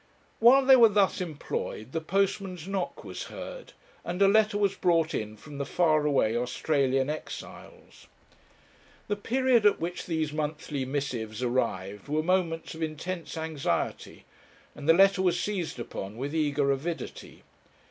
While they were thus employed the postman's knock was heard, and a letter was brought in from the far away Australian exiles. The period at which these monthly missives arrived were moments of intense anxiety, and the letter was seized upon with eager avidity.